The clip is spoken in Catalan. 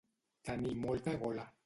Tenir molta gola.